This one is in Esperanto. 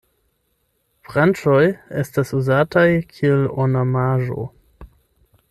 Branĉoj estas uzataj kiel ornamaĵo.